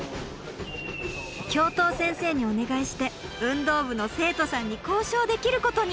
教頭先生にお願いして運動部の生徒さんに交渉できることに。